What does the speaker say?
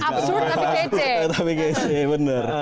absurd tapi kece